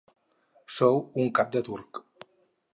Sou un cap de turc.